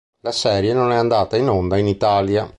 La serie non è andata in onda in Italia.